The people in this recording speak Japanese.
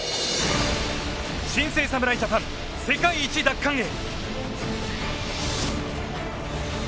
新生・侍ジャパン世界一奪還へ。